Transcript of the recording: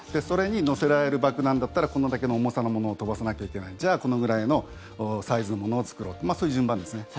それに載せられる爆弾だったらこれだけの重さのものを飛ばさなきゃいけないじゃあ、このくらいのサイズのものを作ろうとそういう順番ですね。